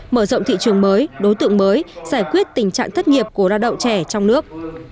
mở rộng thị trường mới đối tượng mới giải quyết tình trạng thất nghiệp của lao động trẻ trong nước